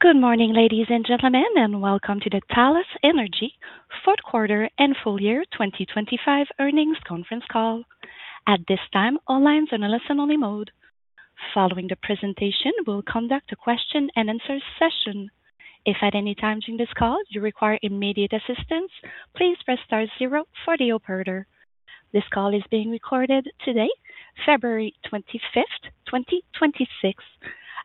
Good morning, ladies and gentlemen, and welcome to the Talos Energy fourth quarter and full year 2025 earnings conference call. At this time, all lines are in a listen-only mode. Following the presentation, we'll conduct a question-and-answer session. If at any time during this call you require immediate assistance, please press *0 for the operator. This call is being recorded today, February 25, 2026.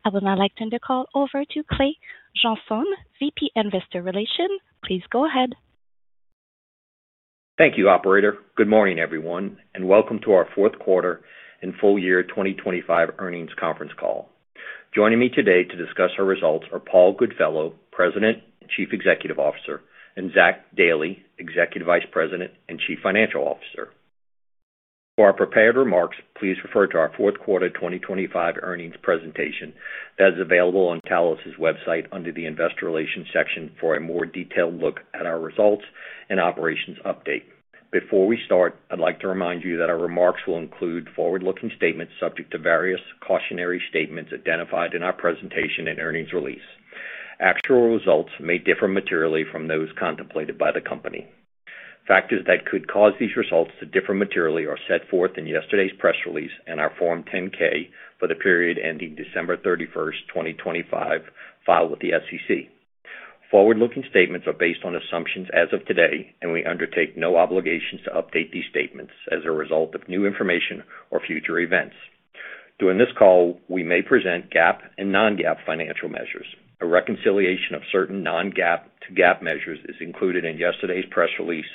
I would now like to turn the call over to Clay Johnson, VP, Investor Relations. Please go ahead. Thank you, operator. Good morning, everyone, and welcome to our fourth quarter and full year 2025 earnings conference call. Joining me today to discuss our results are Paul Goodfellow, President and Chief Executive Officer, and Zach Dailey, Executive Vice President and Chief Financial Officer. For our prepared remarks, please refer to our fourth quarter 2025 earnings presentation that is available on Talos's website under the Investor Relations section for a more detailed look at our results and operations update. Before we start, I'd like to remind you that our remarks will include forward-looking statements subject to various cautionary statements identified in our presentation and earnings release. Actual results may differ materially from those contemplated by the company. Factors that could cause these results to differ materially are set forth in yesterday's press release and our Form 10-K for the period ending December 31, 2025, filed with the SEC. Forward-looking statements are based on assumptions as of today. We undertake no obligations to update these statements as a result of new information or future events. During this call, we may present GAAP and non-GAAP financial measures. A reconciliation of certain non-GAAP to GAAP measures is included in yesterday's press release,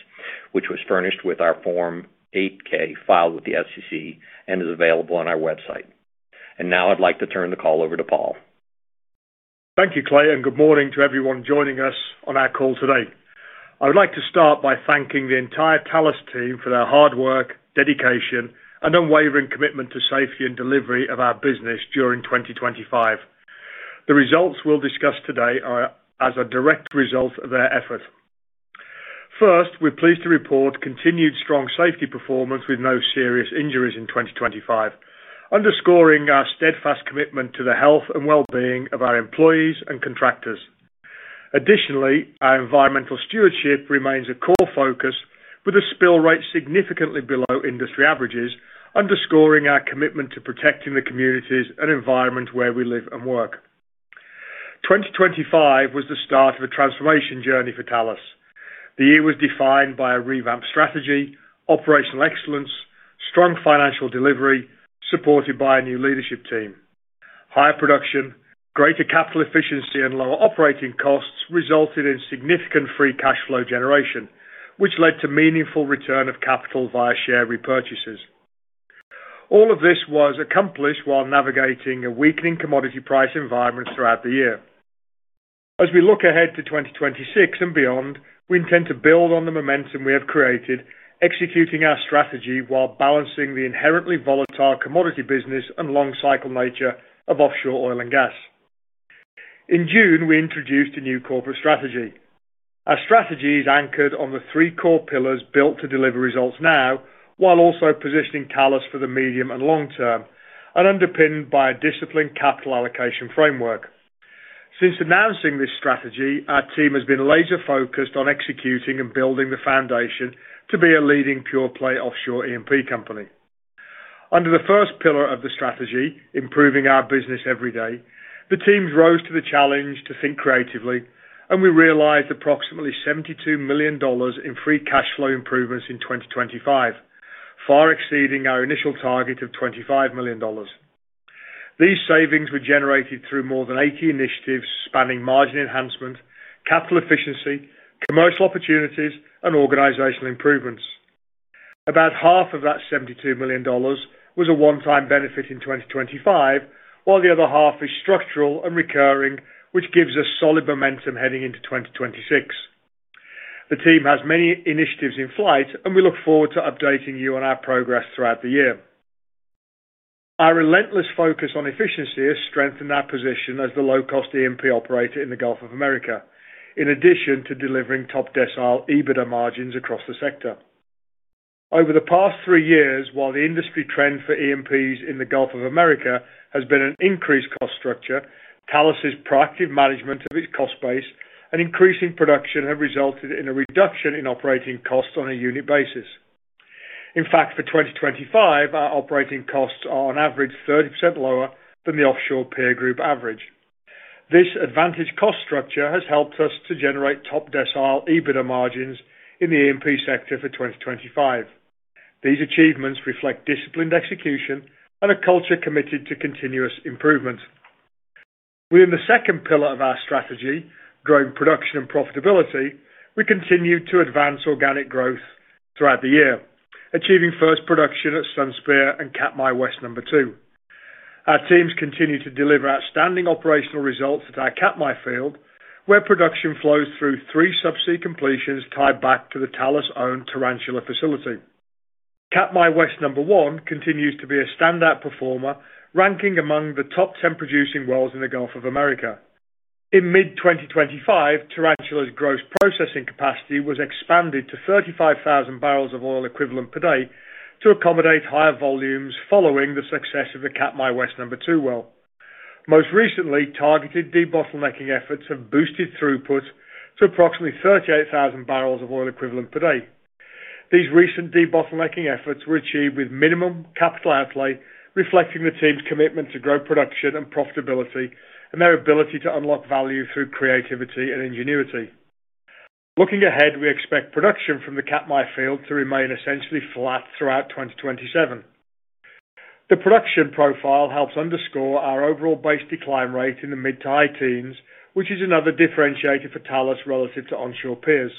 which was furnished with our Form 8-K filed with the SEC and is available on our website. Now I'd like to turn the call over to Paul. Thank you, Clay. Good morning to everyone joining us on our call today. I would like to start by thanking the entire Talos team for their hard work, dedication, and unwavering commitment to safety and delivery of our business during 2025. The results we'll discuss today are as a direct result of their efforts. First, we're pleased to report continued strong safety performance with no serious injuries in 2025, underscoring our steadfast commitment to the health and well-being of our employees and contractors. Additionally, our environmental stewardship remains a core focus, with a spill rate significantly below industry averages, underscoring our commitment to protecting the communities and environment where we live and work. 2025 was the start of a transformation journey for Talos. The year was defined by a revamped strategy, operational excellence, strong financial delivery, supported by a new leadership team. Higher production, greater capital efficiency, and lower operating costs resulted in significant free cash flow generation, which led to meaningful return of capital via share repurchases. All of this was accomplished while navigating a weakening commodity price environment throughout the year. As we look ahead to 2026 and beyond, we intend to build on the momentum we have created, executing our strategy while balancing the inherently volatile commodity business and long cycle nature of offshore oil and gas. In June, we introduced a new corporate strategy. Our strategy is anchored on the three core pillars built to deliver results now, while also positioning Talos for the medium and long term, and underpinned by a disciplined capital allocation framework. Since announcing this strategy, our team has been laser-focused on executing and building the foundation to be a leading pure-play offshore E&P company. Under the first pillar of the strategy, improving our business every day, the teams rose to the challenge to think creatively, and we realized approximately $72 million in free cash flow improvements in 2025, far exceeding our initial target of $25 million. These savings were generated through more than 80 initiatives spanning margin enhancement, capital efficiency, commercial opportunities, and organizational improvements. About half of that $72 million was a one-time benefit in 2025, while the other half is structural and recurring, which gives us solid momentum heading into 2026. The team has many initiatives in flight, and we look forward to updating you on our progress throughout the year. Our relentless focus on efficiency has strengthened our position as the low-cost E&P operator in the Gulf of America, in addition to delivering top decile EBITDA margins across the sector. Over the past 3 years, while the industry trend for E&Ps in the Gulf of America has been an increased cost structure, Talos's proactive management of its cost base and increasing production have resulted in a reduction in operating costs on a unit basis. In fact, for 2025, our operating costs are on average 30% lower than the offshore peer group average. This advantage cost structure has helped us to generate top decile EBITDA margins in the E&P sector for 2025. These achievements reflect disciplined execution and a culture committed to continuous improvement. In the second pillar of our strategy, growing production and profitability, we continued to advance organic growth throughout the year, achieving first production at Sunspear and Katmai West #2. Our teams continue to deliver outstanding operational results at our Katmai field, where production flows through 3 subsea completions tied back to the Talos-owned Tarantula facility. Katmai West #1 continues to be a standout performer, ranking among the top 10 producing wells in the Gulf of America. In mid-2025, Tarantula's gross processing capacity was expanded to 35,000 barrels of oil equivalent per day to accommodate higher volumes following the success of the Katmai West #2 well. Most recently, targeted debottlenecking efforts have boosted throughput to approximately 38,000 barrels of oil equivalent per day. These recent debottlenecking efforts were achieved with minimum capital outlay, reflecting the team's commitment to grow production and profitability, and their ability to unlock value through creativity and ingenuity. Looking ahead, we expect production from the Katmai field to remain essentially flat throughout 2027. The production profile helps underscore our overall base decline rate in the mid to high teens, which is another differentiator for Talos relative to onshore peers.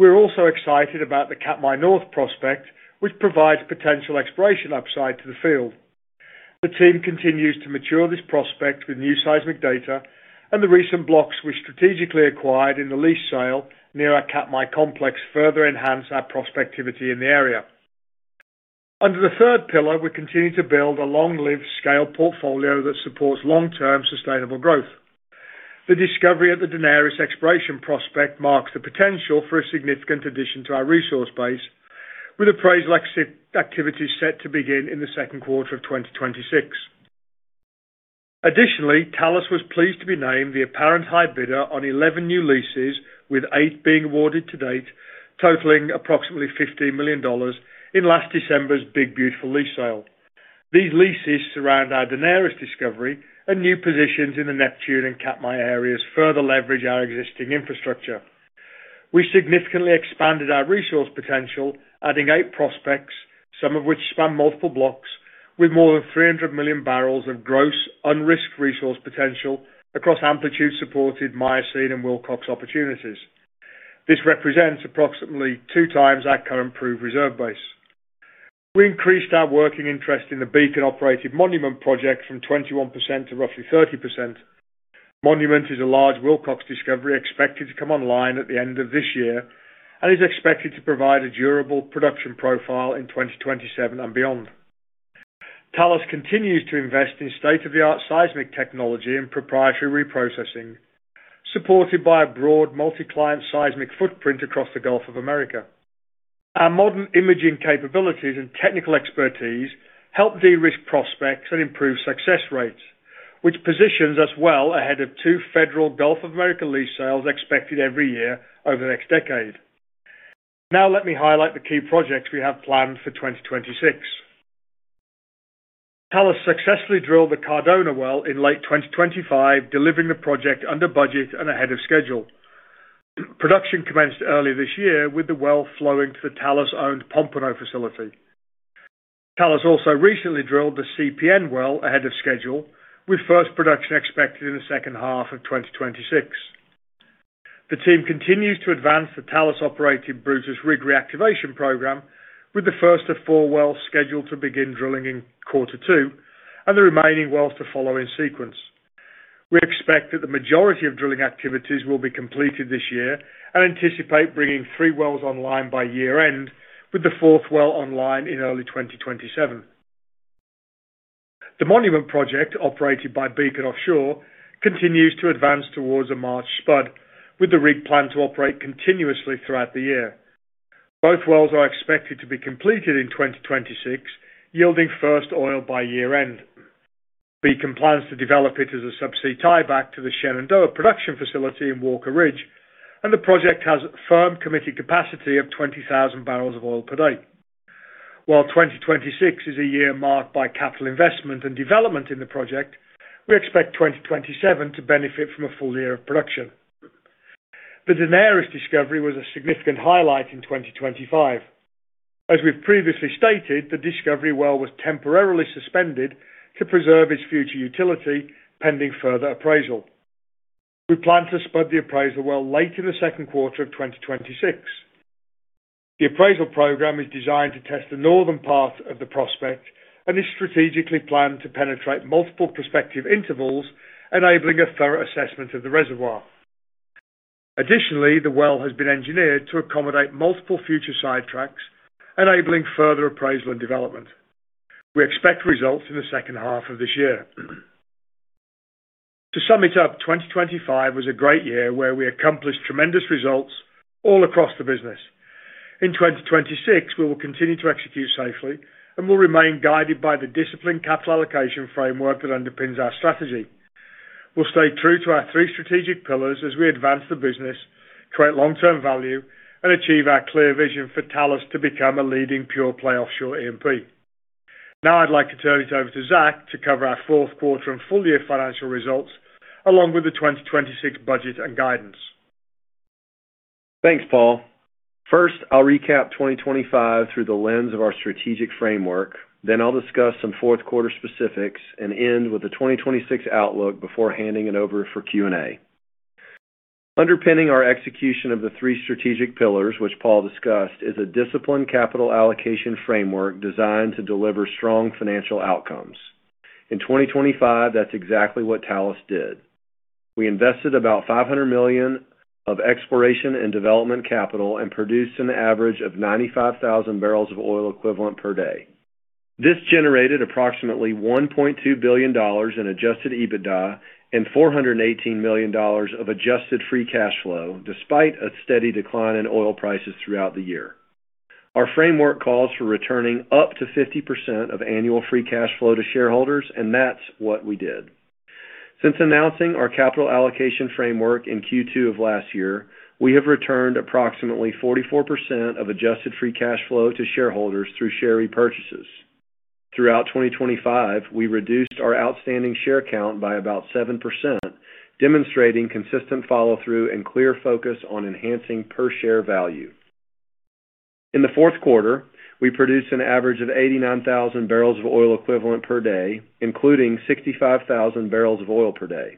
We're also excited about the Katmai North prospect, which provides potential exploration upside to the field. The team continues to mature this prospect with new seismic data, and the recent blocks we strategically acquired in the lease sale near our Katmai complex, further enhance our prospectivity in the area. Under the third pillar, we continue to build a long-lived scale portfolio that supports long-term sustainable growth. The discovery of the Daenerys exploration prospect marks the potential for a significant addition to our resource base, with appraisal exit activities set to begin in the second quarter of 2026. Additionally, Talos was pleased to be named the apparent high bidder on 11 new leases, with 8 being awarded to date, totaling approximately $15 million in last December's Big Beautiful Lease Sale. These leases surround our Daenerys discovery, and new positions in the Neptune and Katmai areas further leverage our existing infrastructure. We significantly expanded our resource potential, adding 8 prospects, some of which span multiple blocks, with more than 300 million barrels of gross, unrisked resource potential across amplitude-supported Miocene and Wilcox opportunities. This represents approximately 2 times our current proved reserve base. We increased our working interest in the Beacon-operated Monument project from 21% to roughly 30%. Monument is a large Wilcox discovery, expected to come online at the end of this year, and is expected to provide a durable production profile in 2027 and beyond. Talos continues to invest in state-of-the-art seismic technology and proprietary reprocessing, supported by a broad multi-client seismic footprint across the Gulf of America. Our modern imaging capabilities and technical expertise help de-risk prospects and improve success rates, which positions us well ahead of 2 federal Gulf of America lease sales expected every year over the next decade. Let me highlight the key projects we have planned for 2026. Talos successfully drilled the Cardona well in late 2025, delivering the project under budget and ahead of schedule. Production commenced early this year, with the well flowing to the Talos-owned Pompano facility. Talos also recently drilled the CPN well ahead of schedule, with first production expected in the second half of 2026. The team continues to advance the Talos-operated Brutus rig reactivation program, with the first of four wells scheduled to begin drilling in quarter two, and the remaining wells to follow in sequence. We expect that the majority of drilling activities will be completed this year, and anticipate bringing three wells online by year-end, with the fourth well online in early 2027. The Monument project, operated by Beacon Offshore, continues to advance towards a March spud, with the rig planned to operate continuously throughout the year. Both wells are expected to be completed in 2026, yielding first oil by year-end. Beacon plans to develop it as a subsea tieback to the Shenandoah production facility in Walker Ridge, and the project has a firm committed capacity of 20,000 barrels of oil per day. While 2026 is a year marked by capital investment and development in the project, we expect 2027 to benefit from a full year of production. The Daenerys discovery was a significant highlight in 2025. As we've previously stated, the discovery well was temporarily suspended to preserve its future utility, pending further appraisal. We plan to spud the appraisal well late in the second quarter of 2026. The appraisal program is designed to test the northern part of the prospect, and is strategically planned to penetrate multiple prospective intervals, enabling a thorough assessment of the reservoir. Additionally, the well has been engineered to accommodate multiple future sidetracks, enabling further appraisal and development. We expect results in the second half of this year. To sum it up, 2025 was a great year, where we accomplished tremendous results all across the business. In 2026, we will continue to execute safely, and we'll remain guided by the disciplined capital allocation framework that underpins our strategy. We'll stay true to our three strategic pillars as we advance the business, create long-term value, and achieve our clear vision for Talos to become a leading pure-play offshore E&P. Now I'd like to turn it over to Zach to cover our fourth quarter and full-year financial results, along with the 2026 budget and guidance. Thanks, Paul. First, I'll recap 2025 through the lens of our strategic framework. I'll discuss some fourth quarter specifics and end with the 2026 outlook before handing it over for Q&A. Underpinning our execution of the 3 strategic pillars, which Paul discussed, is a disciplined capital allocation framework designed to deliver strong financial outcomes. In 2025, that's exactly what Talos did. We invested about $500 million of exploration and development capital, and produced an average of 95,000 barrels of oil equivalent per day. This generated approximately $1.2 billion in adjusted EBITDA and $418 million of adjusted free cash flow, despite a steady decline in oil prices throughout the year. Our framework calls for returning up to 50% of annual free cash flow to shareholders. That's what we did. Since announcing our capital allocation framework in Q2 of last year, we have returned approximately 44% of adjusted free cash flow to shareholders through share repurchases. Throughout 2025, we reduced our outstanding share count by about 7%, demonstrating consistent follow-through and clear focus on enhancing per-share value. In the fourth quarter, we produced an average of 89,000 barrels of oil equivalent per day, including 65,000 barrels of oil per day.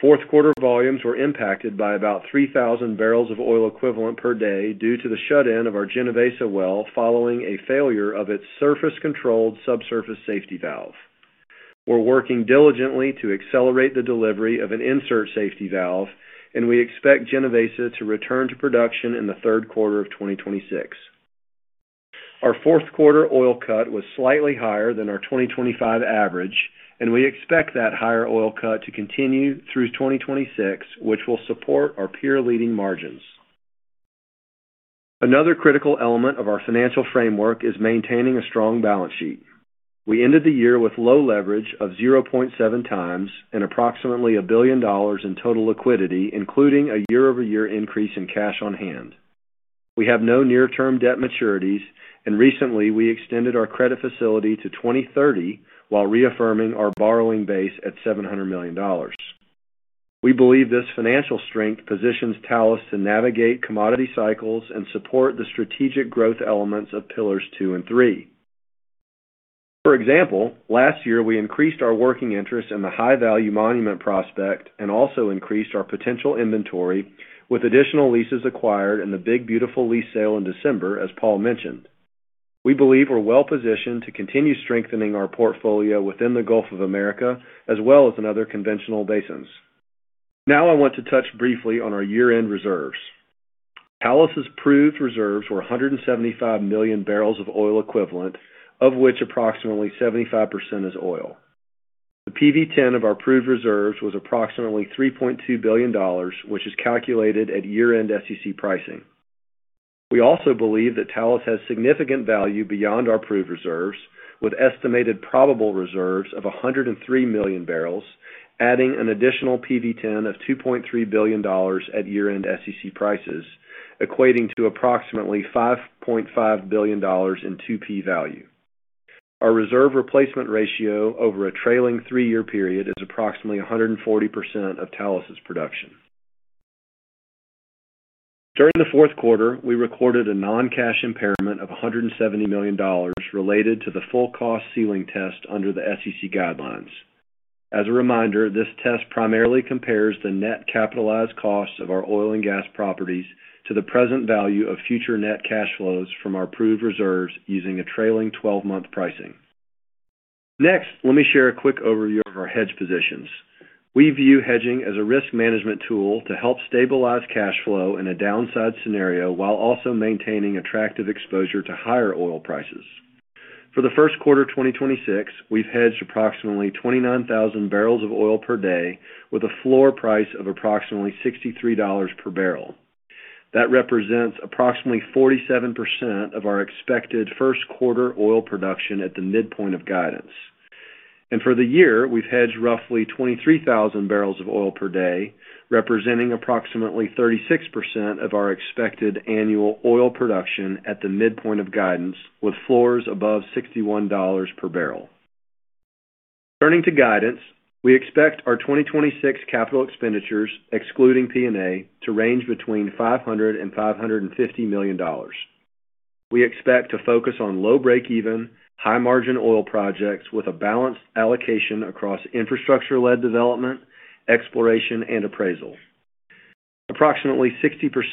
Fourth quarter volumes were impacted by about 3,000 barrels of oil equivalent per day due to the shut-in of our Genovesa well, following a failure of its surface-controlled subsurface safety valve. We're working diligently to accelerate the delivery of an insert safety valve, and we expect Genovesa to return to production in the third quarter of 2026. Our fourth quarter oil cut was slightly higher than our 2025 average. We expect that higher oil cut to continue through 2026, which will support our peer-leading margins. Another critical element of our financial framework is maintaining a strong balance sheet. We ended the year with low leverage of 0.7 times and approximately $1 billion in total liquidity, including a year-over-year increase in cash on hand. We have no near-term debt maturities. Recently, we extended our credit facility to 2030 while reaffirming our borrowing base at $700 million. We believe this financial strength positions Talos to navigate commodity cycles and support the strategic growth elements of pillars 2 and 3. For example, last year, we increased our working interest in the high-value Monument prospect and also increased our potential inventory with additional leases acquired in the Big Beautiful Lease Sale in December, as Paul mentioned. We believe we're well positioned to continue strengthening our portfolio within the Gulf of America, as well as in other conventional basins. Now, I want to touch briefly on our year-end reserves. Talos's proved reserves were 175 million barrels of oil equivalent, of which approximately 75% is oil. The PV-10 of our proved reserves was approximately $3.2 billion, which is calculated at year-end SEC pricing. We also believe that Talos has significant value beyond our proved reserves, with estimated probable reserves of 103 million barrels, adding an additional PV-10 of $2.3 billion at year-end SEC prices, equating to approximately $5.5 billion in 2P value. Our reserve replacement ratio over a trailing 3-year period is approximately 140% of Talos's production. During the fourth quarter, we recorded a non-cash impairment of $170 million related to the full cost ceiling test under the SEC guidelines. As a reminder, this test primarily compares the net capitalized costs of our oil and gas properties to the present value of future net cash flows from our proved reserves using a trailing twelve-month pricing. Let me share a quick overview of our hedge positions. We view hedging as a risk management tool to help stabilize cash flow in a downside scenario, while also maintaining attractive exposure to higher oil prices. For the first quarter of 2026, we've hedged approximately 29,000 barrels of oil per day with a floor price of approximately $63 per barrel. That represents approximately 47% of our expected first quarter oil production at the midpoint of guidance. For the year, we've hedged roughly 23,000 barrels of oil per day, representing approximately 36% of our expected annual oil production at the midpoint of guidance, with floors above $61 per barrel. Turning to guidance, we expect our 2026 capital expenditures, excluding P&A, to range between $500 million and $550 million. We expect to focus on low break-even, high-margin oil projects with a balanced allocation across infrastructure-led development, exploration, and appraisal. Approximately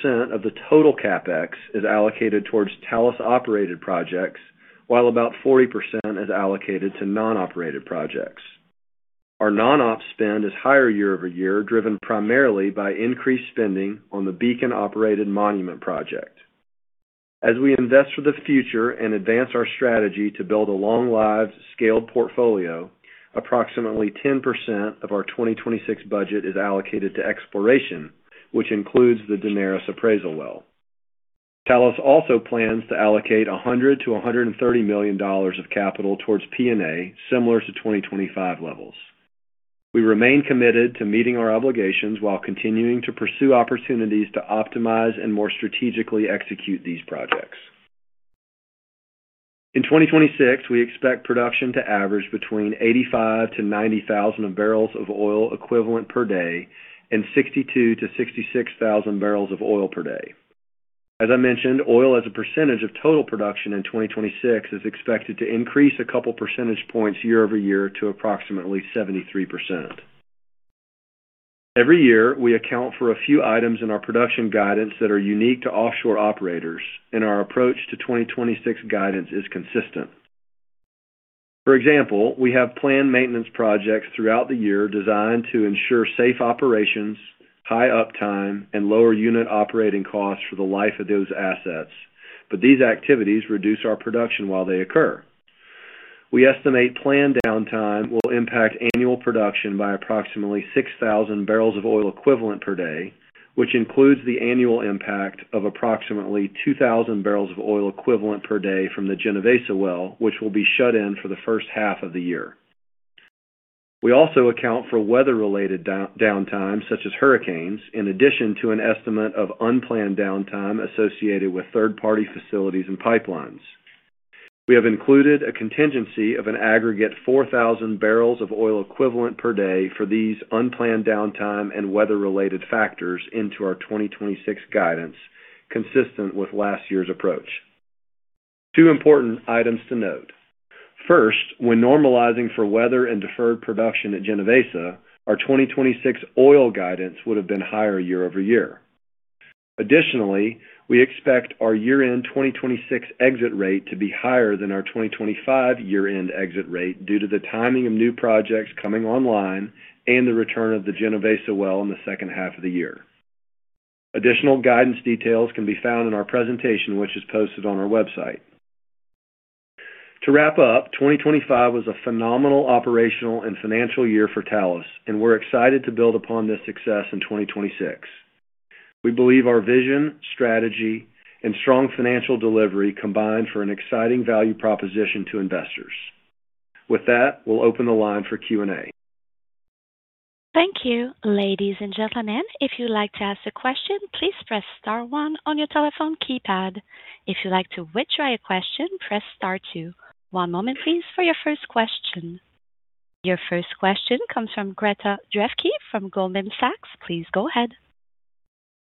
60% of the total CapEx is allocated towards Talos-operated projects, while about 40% is allocated to non-operated projects. Our non-op spend is higher year-over-year, driven primarily by increased spending on the Beacon-operated Monument project. As we invest for the future and advance our strategy to build a long-lived, scaled portfolio, approximately 10% of our 2026 budget is allocated to exploration, which includes the Daenerys appraisal well. Talos also plans to allocate $100 million-$130 million of capital towards P&A, similar to 2025 levels. We remain committed to meeting our obligations while continuing to pursue opportunities to optimize and more strategically execute these projects. In 2026, we expect production to average between 85,000-90,000 barrels of oil equivalent per day and 62,000-66,000 barrels of oil per day. As I mentioned, oil as a percentage of total production in 2026 is expected to increase a couple percentage points year-over-year to approximately 73%. Every year, we account for a few items in our production guidance that are unique to offshore operators, our approach to 2026 guidance is consistent. For example, we have planned maintenance projects throughout the year designed to ensure safe operations, high uptime, and lower unit operating costs for the life of those assets, but these activities reduce our production while they occur. We estimate planned downtime will impact annual production by approximately 6,000 barrels of oil equivalent per day, which includes the annual impact of approximately 2,000 barrels of oil equivalent per day from the Genovesa well, which will be shut in for the first half of the year. We also account for weather-related downtime, such as hurricanes, in addition to an estimate of unplanned downtime associated with third-party facilities and pipelines. We have included a contingency of an aggregate 4,000 barrels of oil equivalent per day for these unplanned downtime and weather-related factors into our 2026 guidance, consistent with last year's approach. Two important items to note. First, when normalizing for weather and deferred production at Genovesa, our 2026 oil guidance would have been higher year-over-year. We expect our year-end 2026 exit rate to be higher than our 2025 year-end exit rate due to the timing of new projects coming online and the return of the Genovesa well in the second half of the year. Additional guidance details can be found in our presentation, which is posted on our website. To wrap up, 2025 was a phenomenal operational and financial year for Talos, and we're excited to build upon this success in 2026. We believe our vision, strategy, and strong financial delivery combine for an exciting value proposition to investors. With that, we'll open the line for Q&A. Thank you. Ladies and gentlemen, if you'd like to ask a question, please press star one on your telephone keypad. If you'd like to withdraw your question, press star two. One moment, please, for your first question. Your first question comes from Greta Drefke from Goldman Sachs. Please go ahead.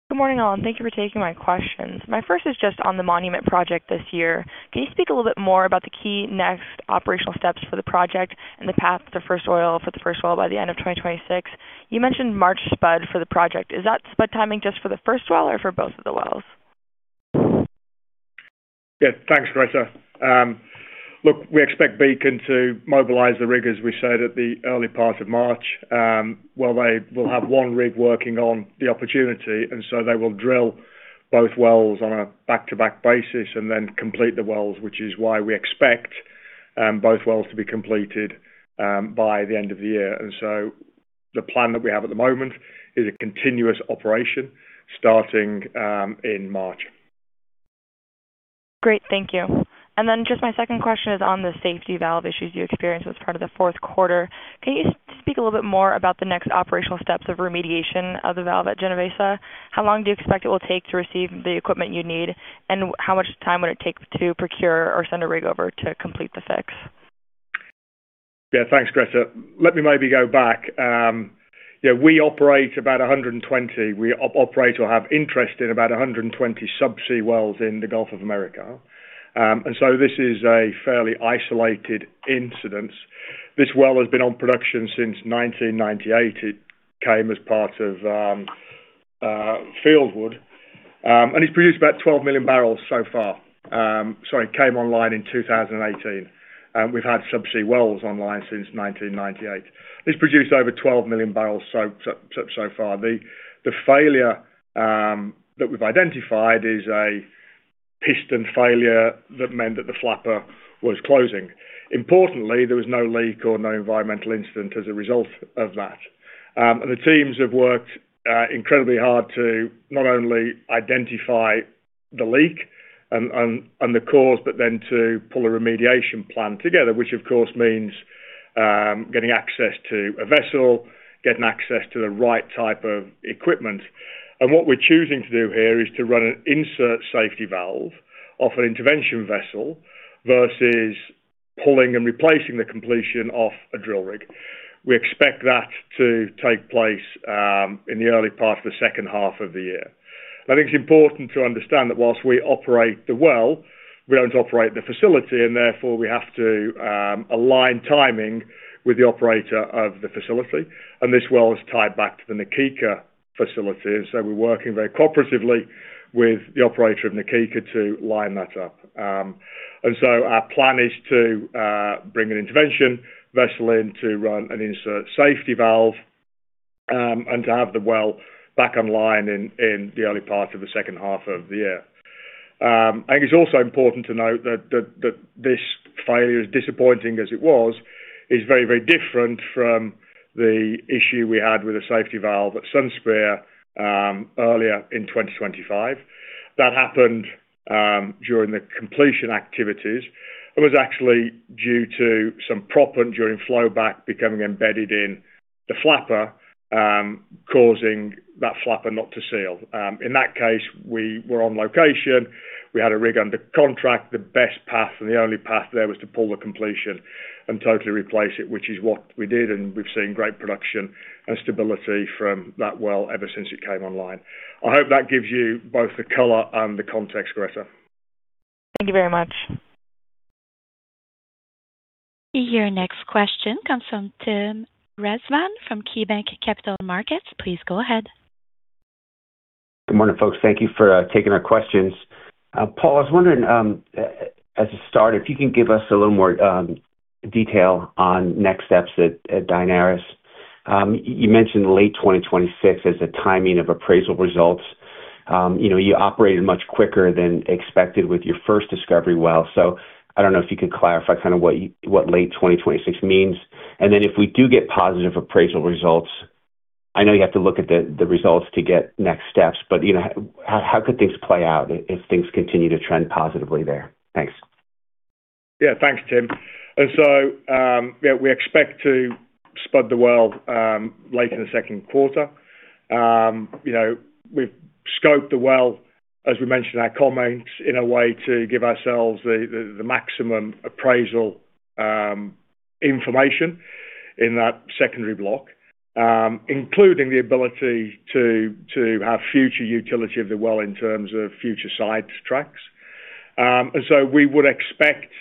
Good morning, all, and thank you for taking my questions. My first is just on the Monument project this year. Can you speak a little bit more about the key next operational steps for the project and the path to first oil for the first well by the end of 2026? You mentioned March spud for the project. Is that spud timing just for the first well or for both of the wells? Yeah, thanks, Greta. Look, we expect Beacon to mobilize the rig, as we said, at the early part of March, where they will have one rig working on the opportunity, they will drill both wells on a back-to-back basis and then complete the wells, which is why we expect both wells to be completed by the end of the year. The plan that we have at the moment is a continuous operation starting in March. Great. Thank you. Then just my second question is on the safety valve issues you experienced as part of the fourth quarter. Can you speak a little bit more about the next operational steps of remediation of the valve at Genovesa? How long do you expect it will take to receive the equipment you need, and how much time would it take to procure or send a rig over to complete the fix? Yeah, thanks, Greta. Let me maybe go back. Yeah, we operate about 120. We operate or have interest in about 120 subsea wells in the Gulf of America. This is a fairly isolated incident. This well has been on production since 1998. It came as part of Fieldwood, and it's produced about 12 million barrels so far. Sorry, it came online in 2018, and we've had subsea wells online since 1998. It's produced over 12 million barrels so far. The failure that we've identified is a piston failure that meant that the flapper was closing. Importantly, there was no leak or no environmental incident as a result of that. The teams have worked incredibly hard to not only identify the leak and the cause, but then to pull a remediation plan together, which of course, means getting access to a vessel, getting access to the right type of equipment. What we're choosing to do here is to run an insert safety valve off an intervention vessel versus pulling and replacing the completion off a drill rig. We expect that to take place in the early part of the second half of the year. I think it's important to understand that whilst we operate the well, we don't operate the facility, and therefore we have to align timing with the operator of the facility. This well is tied back to the Nikkita facility, we're working very cooperatively with the operator of Nikkita to line that up. Our plan is to bring an intervention vessel in to run an insert safety valve, and to have the well back online in the early part of the second half of the year. I think it's also important to note that this failure, as disappointing as it was, is very different from the issue we had with a safety valve at Sunspear earlier in 2025. That happened during the completion activities and was actually due to some proppant during flowback becoming embedded in the flapper, causing that flapper not to seal. In that case, we were on location. We had a rig under contract. The best path and the only path there was to pull the completion and totally replace it, which is what we did, and we've seen great production and stability from that well ever since it came online. I hope that gives you both the color and the context, Greta. Thank you very much. Your next question comes from Tim Rezvan from KeyBanc Capital Markets. Please go ahead. Good morning, folks. Thank you for taking our questions. Paul, I was wondering, as a start, if you can give us a little more detail on next steps at Daenerys. You mentioned late 2026 as the timing of appraisal results.... you know, you operated much quicker than expected with your first discovery well. I don't know if you could clarify kind of what late 2026 means. If we do get positive appraisal results, I know you have to look at the results to get next steps, but, you know, how could things play out if things continue to trend positively there? Thanks. Yeah, thanks, Tim. Yeah, we expect to spud the well, late in the second quarter. You know, we've scoped the well, as we mentioned in our comments, in a way to give ourselves the maximum appraisal, information in that secondary block, including the ability to have future utility of the well in terms of future sidetracks. We would expect,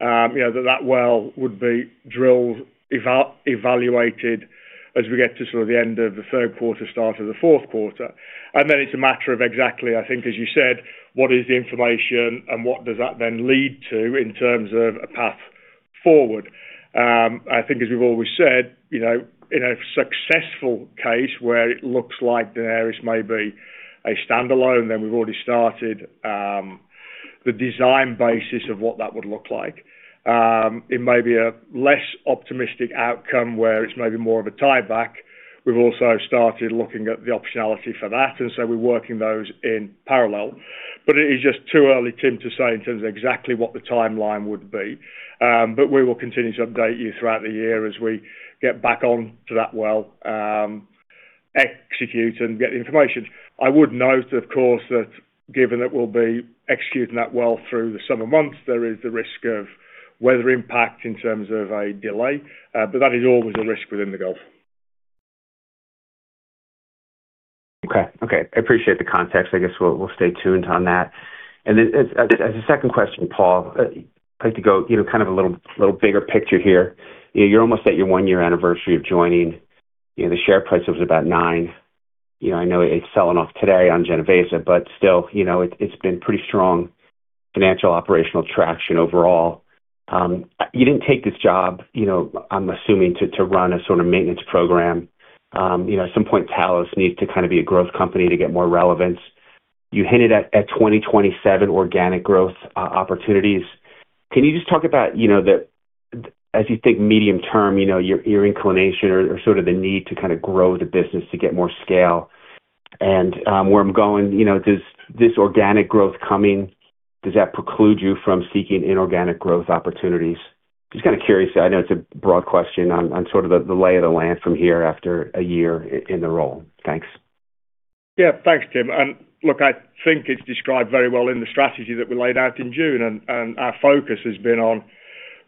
you know, that well would be drilled, evaluated as we get to sort of the end of the third quarter, start of the fourth quarter. Then it's a matter of exactly, I think, as you said, what is the information and what does that then lead to in terms of a path forward? I think as we've always said, you know, in a successful case where it looks like Daenerys may be a standalone, then we've already started the design basis of what that would look like. It may be a less optimistic outcome where it's maybe more of a tieback. We've also started looking at the optionality for that. So we're working those in parallel. It is just too early, Tim, to say in terms of exactly what the timeline would be. We will continue to update you throughout the year as we get back on to that well, execute and get the information. I would note, of course, that given that we'll be executing that well through the summer months, there is the risk of weather impact in terms of a delay, but that is always a risk within the Gulf. Okay. Okay, I appreciate the context. I guess we'll stay tuned on that. As a second question, Paul, I'd like to go, you know, kind of a little bigger picture here. You're almost at your one-year anniversary of joining. You know, the share price was about $9. You know, I know it's selling off today on Genovesa, but still, you know, it's been pretty strong financial, operational traction overall. You didn't take this job, you know, I'm assuming, to run a sort of maintenance program. You know, at some point, Talos needs to kind of be a growth company to get more relevance. You hinted at 2027 organic growth opportunities. Can you just talk about, you know, as you think medium term, you know, your inclination or sort of the need to kinda grow the business to get more scale? Where I'm going, you know, does this organic growth coming, does that preclude you from seeking inorganic growth opportunities? Just kinda curious. I know it's a broad question on sort of the lay of the land from here after a year in the role. Thanks. Yeah. Thanks, Tim. Look, I think it's described very well in the strategy that we laid out in June, and our focus has been on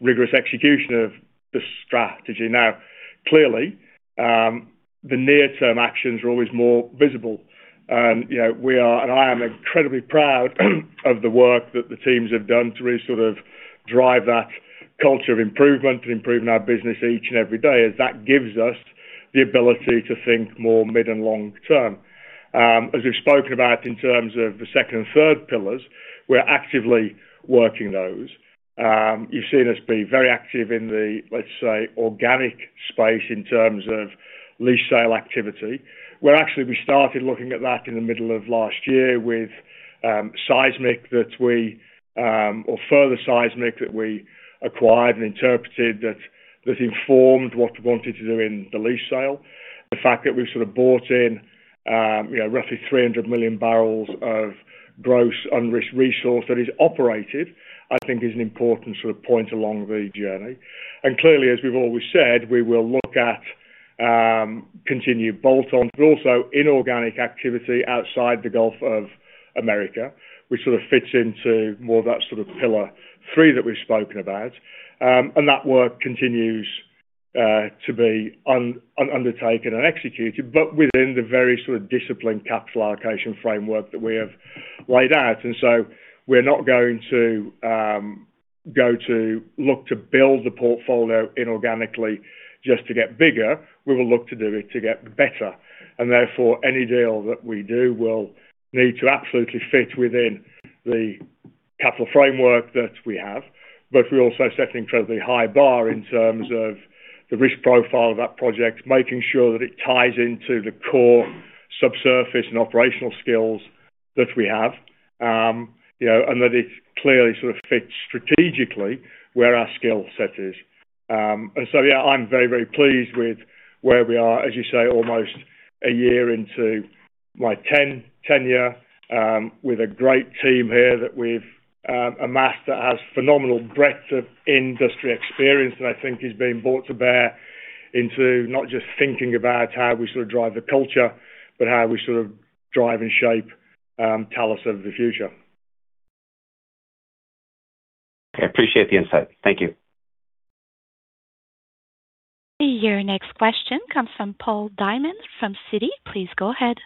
rigorous execution of the strategy. Now, clearly, the near-term actions are always more visible. You know, we are, and I am incredibly proud of the work that the teams have done to really sort of drive that culture of improvement and improving our business each and every day, as that gives us the ability to think more mid and long term. As we've spoken about in terms of the second and third pillars, we're actively working those. You've seen us be very active in the, let's say, organic space in terms of lease sale activity, where actually we started looking at that in the middle of last year with seismic that we or further seismic that we acquired and interpreted, that informed what we wanted to do in the lease sale. The fact that we've sort of bought in, you know, roughly 300 million barrels of gross unrisked resource that is operated, I think is an important sort of point along the journey. Clearly, as we've always said, we will look at continued bolt-on, but also inorganic activity outside the Gulf of America, which sort of fits into more of that sort of pillar three that we've spoken about. That work continues to be undertaken and executed, but within the very sort of disciplined capital allocation framework that we have laid out. We're not going to look to build the portfolio inorganically just to get bigger. We will look to do it to get better. Therefore, any deal that we do will need to absolutely fit within the capital framework that we have. We also set an incredibly high bar in terms of the risk profile of that project, making sure that it ties into the core subsurface and operational skills that we have, you know, and that it clearly sort of fits strategically where our skill set is. Yeah, I'm very, very pleased with where we are, as you say, almost a year into my tenure, with a great team here that we've amassed, that has phenomenal breadth of industry experience that I think is being brought to bear into not just thinking about how we sort of drive the culture, but how we sort of drive and shape Talos of the future. I appreciate the insight. Thank you. Your next question comes from Paul Diamond, from Citi. Please go ahead.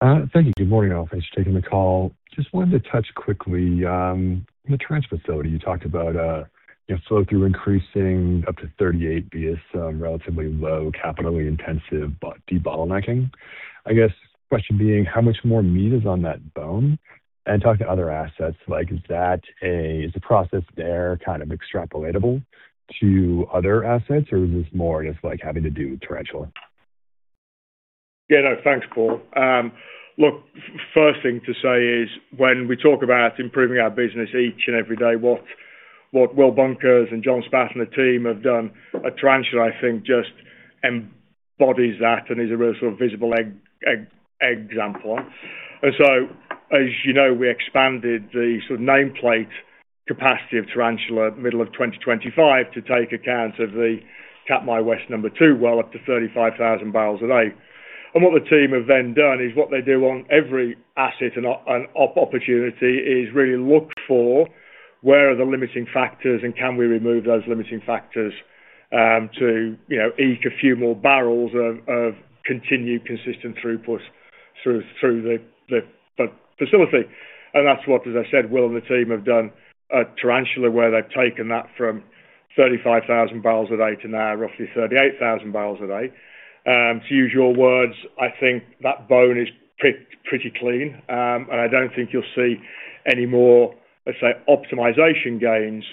Thank you. Good morning, all. Thanks for taking the call. Just wanted to touch quickly on the Tarantula facility. You talked about, you know, flow through increasing up to 38 via some relatively low, capitally intensive, but debottlenecking. I guess, question being, how much more meat is on that bone? Talk to other assets, like is the process there kind of extrapolatable to other assets, or is this more just, like, having to do with Tarantula? Yeah, no, thanks, Paul. Look, first thing to say is, when we talk about improving our business each and every day, what Will Bunkers and John Spath and the team have done at Tarantula, I think, just embodies that and is a real sort of visible example. As you know, we expanded the sort of nameplate capacity of Tarantula middle of 2025 to take account of the Katmai West #2 well, up to 35,000 barrels a day. What the team have then done is what they do on every asset and opportunity, is really look for where are the limiting factors and can we remove those limiting factors, to, you know, eke a few more barrels of continued consistent throughput through the facility. That's what, as I said, Will and the team have done at Tarantula, where they've taken that from 35,000 barrels a day to now roughly 38,000 barrels a day. To use your words, I think that bone is pretty clean, and I don't think you'll see any more, let's say, optimization gains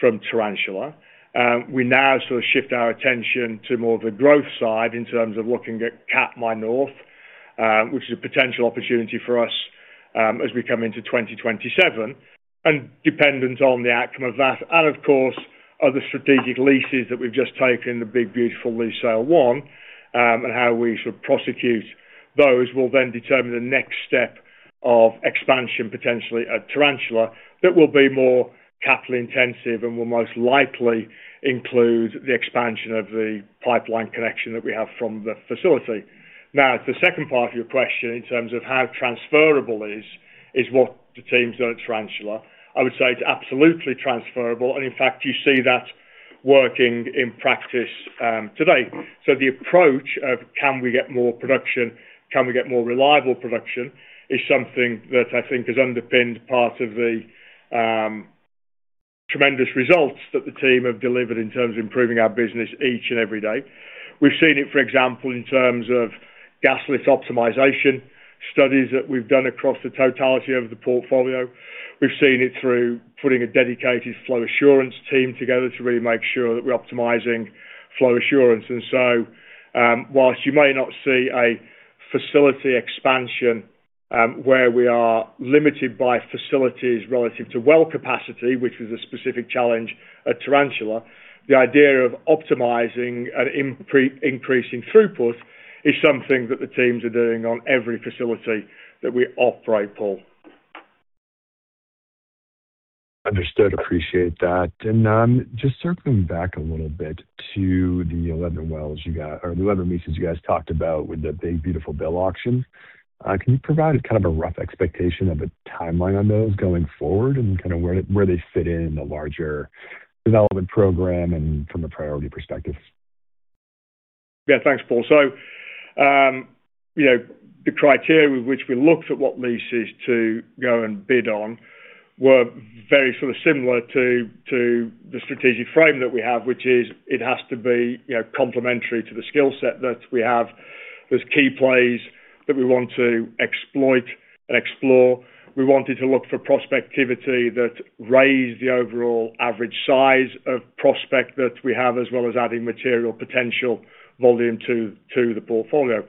from Tarantula. We now sort of shift our attention to more of the growth side in terms of looking at Katmai North, which is a potential opportunity for us, as we come into 2027. Dependent on the outcome of that, and of course, other strategic leases that we've just taken, the Big Beautiful lease sale one, and how we should prosecute those, will then determine the next step of expansion, potentially at Tarantula, that will be more capital intensive and will most likely include the expansion of the pipeline connection that we have from the facility. The second part of your question, in terms of how transferable is what the team's done at Tarantula. I would say it's absolutely transferable, and in fact, you see that working in practice today. The approach of can we get more production, can we get more reliable production, is something that I think has underpinned part of the tremendous results that the team have delivered in terms of improving our business each and every day. We've seen it, for example, in terms of gas lift optimization studies that we've done across the totality of the portfolio. We've seen it through putting a dedicated flow assurance team together to really make sure that we're optimizing flow assurance. Whilst you may not see a facility expansion, where we are limited by facilities relative to well capacity, which is a specific challenge at Tarantula, the idea of optimizing and increasing throughput is something that the teams are doing on every facility that we operate, Paul. Understood. Appreciate that. Just circling back a little bit to the 11 wells you got or the other leases you guys talked about with the Big Beautiful Bill auctions. Can you provide kind of a rough expectation of a timeline on those going forward and kind of where they fit in the larger development program and from a priority perspective? Thanks, Paul. You know, the criteria with which we looked at what leases to go and bid on were very sort of similar to the strategic frame that we have, which is it has to be, you know, complementary to the skill set that we have. There's key plays that we want to exploit and explore. We wanted to look for prospectivity that raised the overall average size of prospect that we have, as well as adding material potential volume to the portfolio.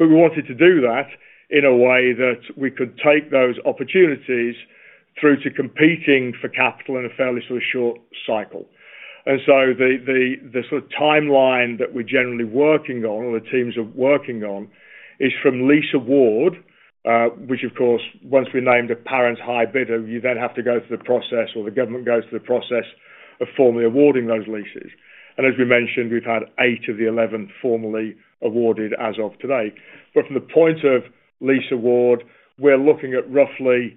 We wanted to do that in a way that we could take those opportunities through to competing for capital in a fairly sort of short cycle. The sort of timeline that we're generally working on, or the teams are working on, is from lease award, which of course, once we're named apparent high bidder, you then have to go through the process, or the government goes through the process of formally awarding those leases. As we mentioned, we've had 8 of the 11 formally awarded as of today. From the point of lease award, we're looking at roughly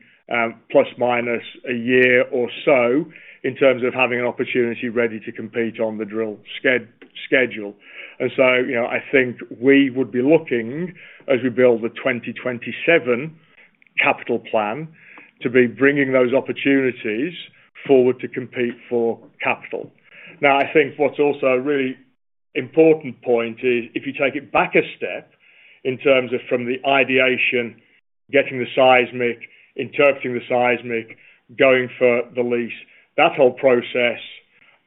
plus minus a year or so in terms of having an opportunity ready to compete on the drill schedule. You know, I think we would be looking, as we build the 2027 capital plan, to be bringing those opportunities forward to compete for capital. I think what's also a really important point is if you take it back a step in terms of from the ideation, getting the seismic, interpreting the seismic, going for the lease, that whole process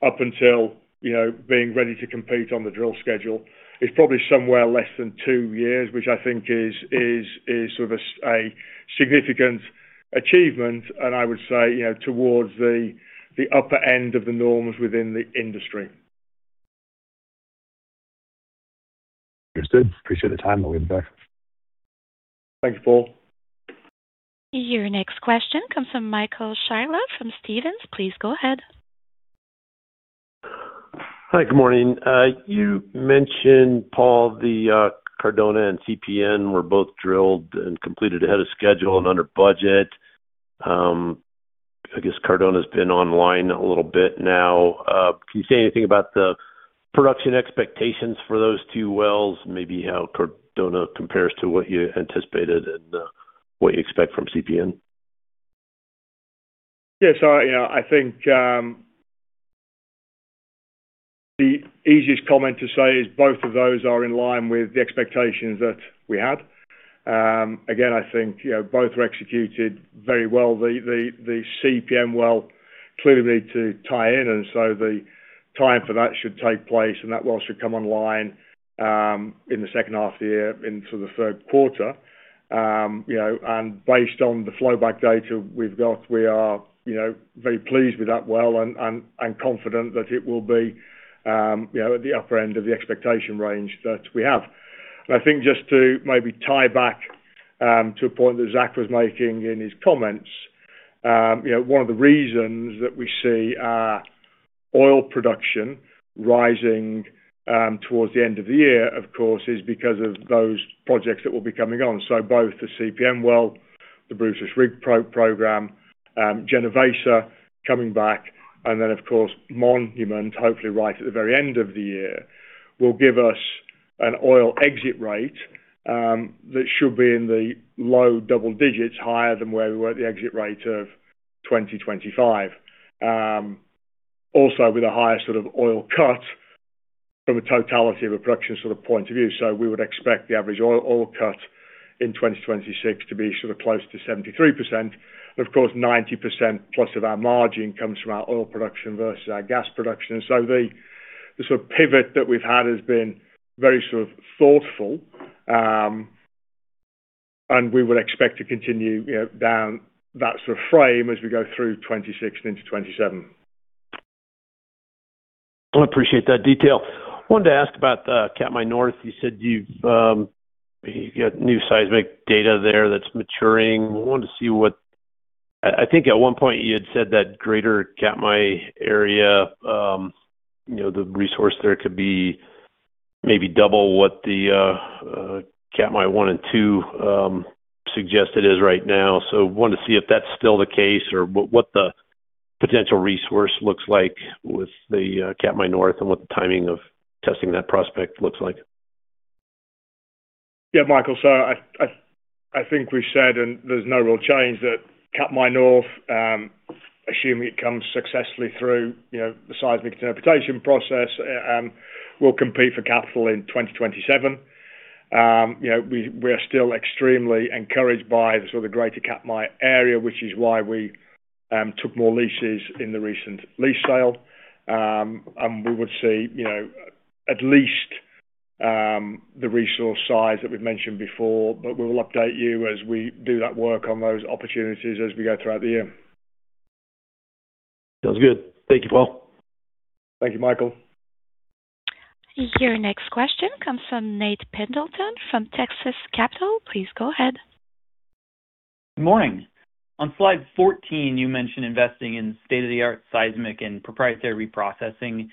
up until, you know, being ready to compete on the drill schedule, is probably somewhere less than two years, which I think is sort of a significant achievement, and I would say, you know, towards the upper end of the norms within the industry. Understood. Appreciate the time, William, thanks. Thanks, Paul. Your next question comes from Michael Scialla from Stephens. Please go ahead. Hi, good morning. You mentioned, Paul, the Cardona and CPN were both drilled and completed ahead of schedule and under budget. I guess Cardona's been online a little bit now. Can you say anything about the production expectations for those two wells? Maybe how Cardona compares to what you anticipated and what you expect from CPN? You know, I think the easiest comment to say is both of those are in line with the expectations that we had. Again, I think, you know, both were executed very well. The CPM well clearly need to tie in, the time for that should take place, and that well should come online in the second half of the year into the third quarter. You know, based on the flowback data we've got, we are, you know, very pleased with that well and confident that it will be, you know, at the upper end of the expectation range that we have. I think just to maybe tie back to a point that Zach was making in his comments. You know, one of the reasons that we see our oil production rising towards the end of the year, of course, is because of those projects that will be coming on. Both the CPM well, the Brutus rig program, Genovesa coming back, and then, of course, Monument, hopefully right at the very end of the year, will give us an oil exit rate that should be in the low double digits, higher than where we were at the exit rate of 2025. Also with a higher sort of oil cut from a totality of a production sort of point of view. We would expect the average oil cut in 2026 to be sort of close to 73%. Of course, 90% plus of our margin comes from our oil production versus our gas production. The sort of pivot that we've had has been very sort of thoughtful. We would expect to continue, you know, down that sort of frame as we go through 2026 into 2027. I appreciate that detail. I wanted to ask about the Katmai North. You said you've got new seismic data there that's maturing. I wanted to see what I think at one point you had said that greater Katmai area, you know, the resource there could be maybe double what the Katmai 1 and 2, suggested is right now. Wanted to see if that's still the case or what the potential resource looks like with the Katmai North and what the timing of testing that prospect looks like? Yeah, Michael. I think we said, and there's no real change, that Katmai North, assuming it comes successfully through, you know, the seismic interpretation process, will compete for capital in 2027. You know, we are still extremely encouraged by the sort of greater Katmai area, which is why we took more leases in the recent lease sale. We would see, you know, at least the resource size that we've mentioned before, but we will update you as we do that work on those opportunities as we go throughout the year. Sounds good. Thank you, Paul. Thank you, Michael. Your next question comes from Nate Pendleton from Texas Capital. Please go ahead. Good morning. On slide 14, you mentioned investing in state-of-the-art seismic and proprietary reprocessing.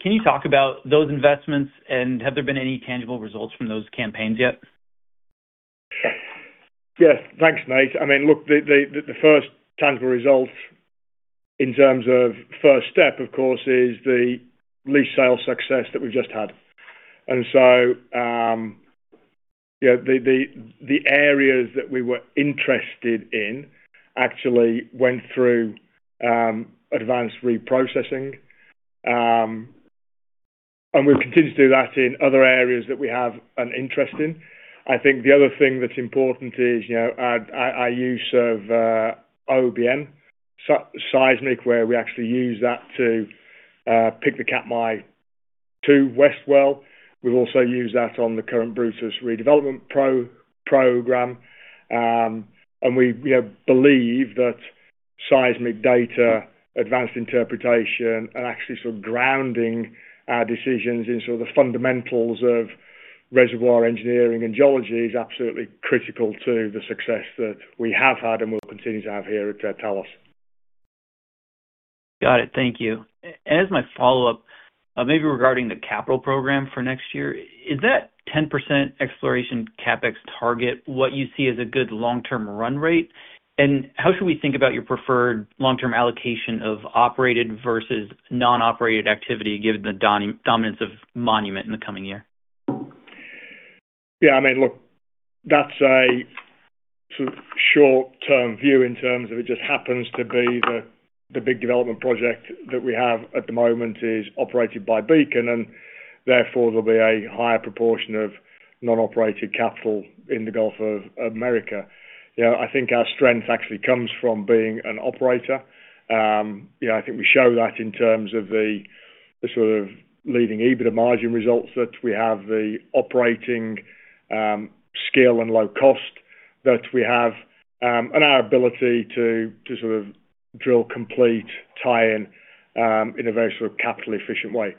Can you talk about those investments, and have there been any tangible results from those campaigns yet? Yes, thanks, Nate. I mean, look, the first tangible results in terms of first step, of course, is the lease sale success that we've just had. You know, the areas that we were interested in actually went through advanced reprocessing, and we'll continue to do that in other areas that we have an interest in. I think the other thing that's important is, you know, our use of OBN seismic, where we actually use that to pick the Katmai 2 West well. We've also used that on the current Brutus redevelopment program, and we, you know, believe that seismic data, advanced interpretation, and actually sort of grounding our decisions into the fundamentals of reservoir engineering and geology is absolutely critical to the success that we have had and will continue to have here at Talos. Got it. Thank you. As my follow-up, maybe regarding the capital program for next year, is that 10% exploration CapEx target, what you see as a good long-term run rate? How should we think about your preferred long-term allocation of operated versus non-operated activity, given the dominance of Monument in the coming year? Yeah, I mean, look, that's a sort of short-term view in terms of it just happens to be the big development project that we have at the moment is operated by Beacon, and therefore there'll be a higher proportion of non-operated capital in the Gulf of America. You know, I think our strength actually comes from being an operator. You know, I think we show that in terms of the sort of leading EBITDA margin results, that we have the operating scale and low cost that we have, and our ability to sort of drill, complete, tie-in, in a very capital efficient way.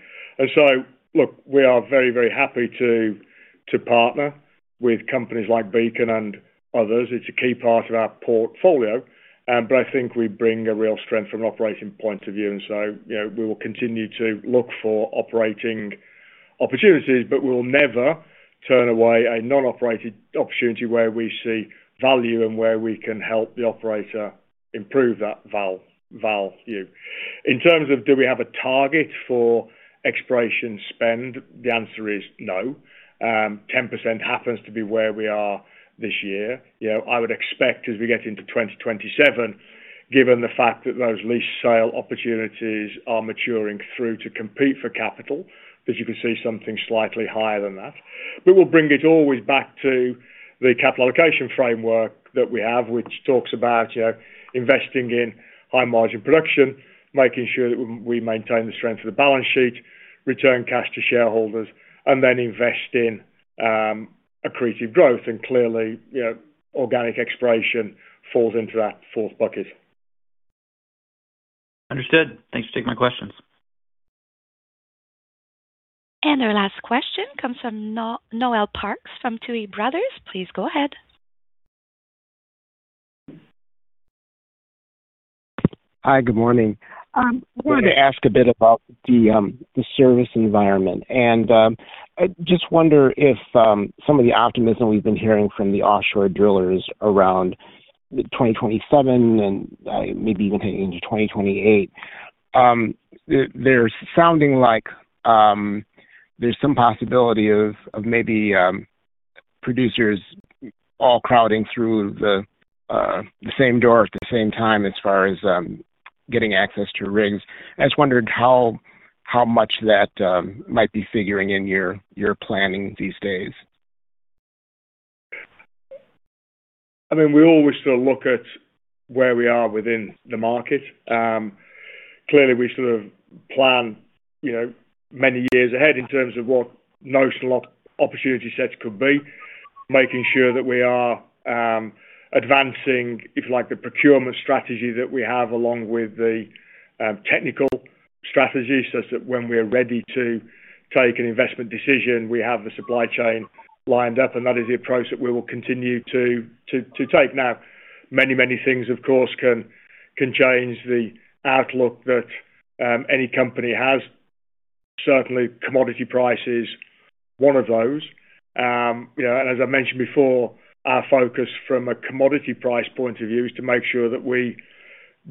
Look, we are very happy to partner with companies like Beacon and others. It's a key part of our portfolio, but I think we bring a real strength from an operating point of view. You know, we will continue to look for operating opportunities, but we'll never turn away a non-operated opportunity where we see value and where we can help the operator improve that value. In terms of, do we have a target for exploration spend? The answer is no. 10% happens to be where we are this year. You know, I would expect as we get into 2027 given the fact that those lease sale opportunities are maturing through to compete for capital, as you can see, something slightly higher than that. We'll bring it always back to the capital allocation framework that we have, which talks about, you know, investing in high-margin production, making sure that we maintain the strength of the balance sheet, return cash to shareholders, and then invest in accretive growth. Clearly, you know, organic exploration falls into that fourth bucket. Understood. Thanks for taking my questions. Our last question comes from Noel Parks from Tuohy Brothers. Please go ahead. Hi, good morning. I wanted to ask a bit about the service environment. I just wonder if some of the optimism we've been hearing from the offshore drillers around 2027 and maybe even into 2028, they're sounding like there's some possibility of maybe producers all crowding through the same door at the same time as far as getting access to rigs. I was wondering how much that might be figuring in your planning these days? I mean, we always still look at where we are within the market. Clearly, we sort of plan, you know, many years ahead in terms of what notional opportunity sets could be, making sure that we are advancing, if you like, the procurement strategy that we have, along with the technical strategy, such that when we are ready to take an investment decision, we have the supply chain lined up, and that is the approach that we will continue to take. Many, many things, of course, can change the outlook that any company has. Certainly, commodity price is one of those. You know, as I mentioned before, our focus from a commodity price point of view is to make sure that we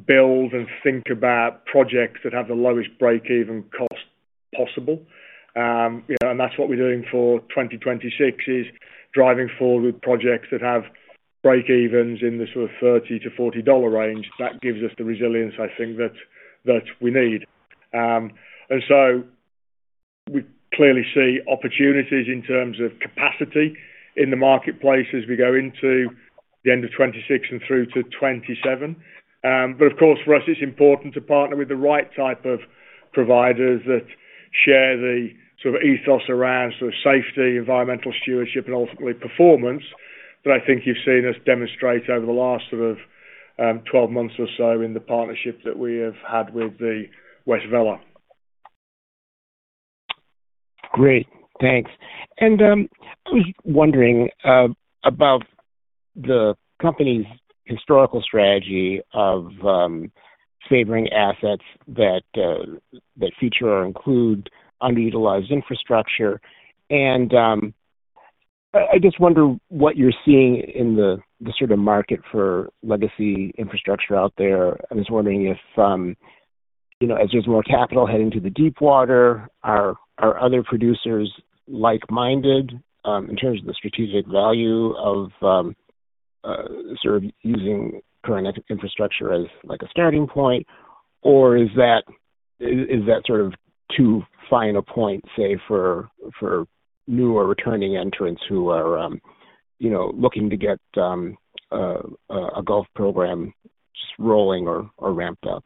build and think about projects that have the lowest break-even cost possible. you know, that's what we're doing for 2026, is driving forward with projects that have break-evens in the sort of $30-$40 range. That gives us the resilience, I think, that we need. We clearly see opportunities in terms of capacity in the marketplace as we go into the end of 2026 and through to 2027. Of course, for us, it's important to partner with the right type of providers that share the sort of ethos around sort of safety, environmental stewardship, and ultimately, performance, that I think you've seen us demonstrate over the last sort of, 12 months or so in the partnership that we have had with the West Vela. Great, thanks. I was wondering about the company's historical strategy of favoring assets that feature or include underutilized infrastructure. I just wonder what you're seeing in the sort of market for legacy infrastructure out there. I was wondering if, you know, as there's more capital heading to the deepwater, are other producers like-minded in terms of the strategic value of sort of using current infrastructure as, like, a starting point? Or is that sort of too fine a point, say, for new or returning entrants who are, you know, looking to get a Gulf program rolling or ramped up?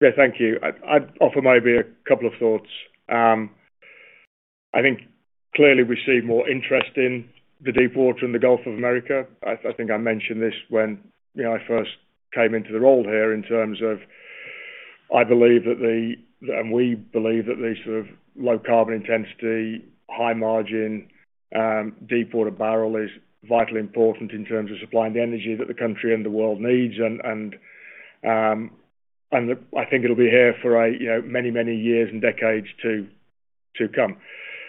Yeah, thank you. I'd offer maybe a couple of thoughts. I think clearly we see more interest in the deepwater in the Gulf of America. I think I mentioned this when, you know, I first came into the role here in terms of we believe that the sort of low carbon intensity, high margin, deepwater barrel is vitally important in terms of supplying the energy that the country and the world needs. I think it'll be here for a, you know, many, many years and decades to come.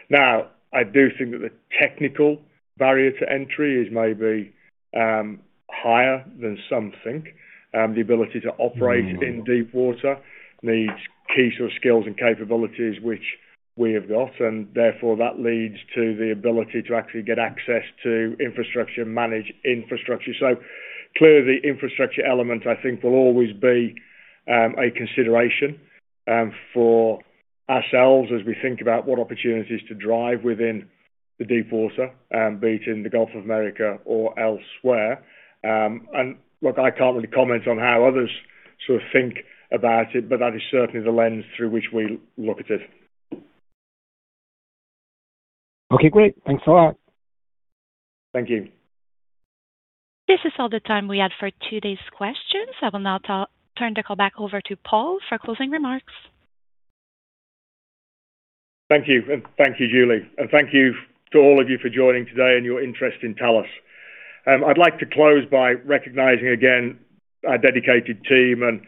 Now, I do think that the technical barrier to entry is maybe higher than some think. The ability to operate- Mm-hmm. in deepwater needs key sort of skills and capabilities, which we have got, and therefore, that leads to the ability to actually get access to infrastructure, manage infrastructure. Clearly, the infrastructure element, I think, will always be a consideration for ourselves as we think about what opportunities to drive within the deepwater, be it in the Gulf of America or elsewhere. Look, I can't really comment on how others sort of think about it, but that is certainly the lens through which we look at it. Okay, great. Thanks a lot. Thank you. This is all the time we have for today's questions. I will now turn the call back over to Paul for closing remarks. Thank you. Thank you, Julie, and thank you to all of you for joining today and your interest in Talos. I'd like to close by recognizing again our dedicated team and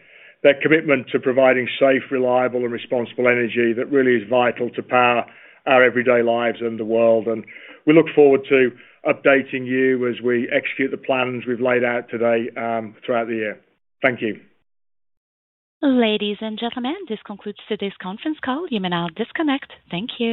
their commitment to providing safe, reliable, and responsible energy that really is vital to power our everyday lives and the world. We look forward to updating you as we execute the plans we've laid out today throughout the year. Thank you. Ladies and gentlemen, this concludes today's conference call. You may now disconnect. Thank you.